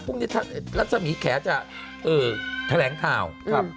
พรุ่งนี้ลักษมีคแขจะแผลงทาวน์